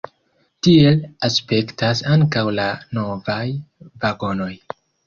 Tiel aspektas ankaŭ la novaj vagonoj.